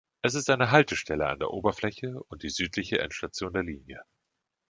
Es ist eine Haltestelle an der Oberfläche und die südliche Endstation der Linie.